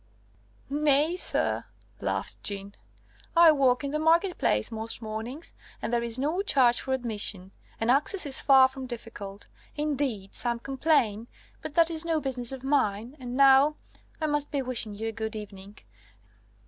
"] "Nay, sir," laughed Jeanne, "I work in the market place most mornings, and there is no charge for admission; and access is far from difficult. Indeed, some complain but that is no business of mine. And now I must be wishing you a good evening.